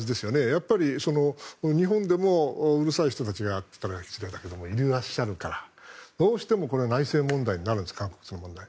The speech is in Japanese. やっぱり日本でもうるさい人たちがいらっしゃるからどうしても内政問題になるんです韓国との問題。